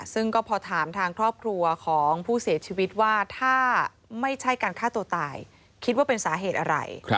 ซึ่งก็พอถามทางครอบครัวของผู้เสียชีวิตว่าถ้าไม่ใช่การฆ่าตัวตายคิดว่าเป็นสาเหตุอะไร